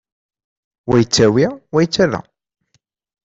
Wa yettawi, wa yettarra.